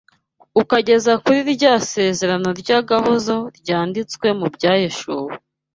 ukageza kuri rya sezerano ry’agahozo ryanditswe mu Byahishuwe